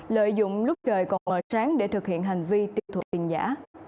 lợi dụng lúc trời còn mở sáng để thực hiện hành vi tiêu thuộc tiền giả